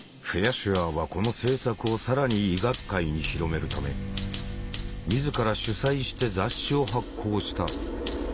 シュアーはこの政策を更に医学界に広めるため自ら主宰して雑誌を発行した。